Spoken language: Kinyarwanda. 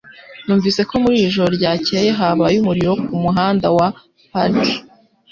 Numvise ko mu ijoro ryakeye habaye umuriro ku muhanda wa Park.